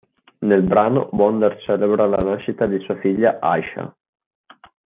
Nel brano Wonder celebra la nascita di sua figlia Aisha.